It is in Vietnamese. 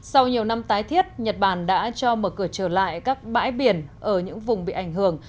sau nhiều năm tái thiết nhật bản đã cho mở cửa trở lại các bãi biển ở những vùng bị ảnh hưởng